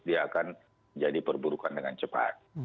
dia akan jadi perburukan dengan cepat